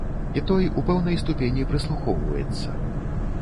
І той у пэўнай ступені прыслухоўваецца.